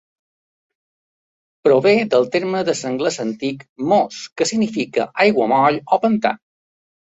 Prové del terme de l'anglès antic "mos", que significa "aiguamoll" o "pantà".